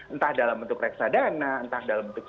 entah dalam bentuk reksadana entah dalam bentuk